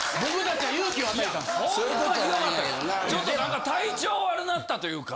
ちょっと何か体調悪なったというか。